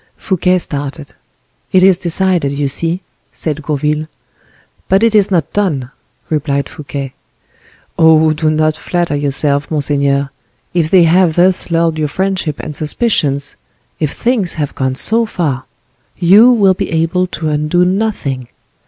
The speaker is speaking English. Fouquet started. "It is decided, you see," said Gourville. "But it is not done," replied Fouquet. "Oh, do not flatter yourself, monseigneur; if they have thus lulled your friendship and suspicions—if things have gone so far, you will be able to undo nothing."